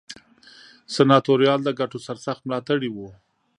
سناتوریال د ګټو سرسخت ملاتړي وو.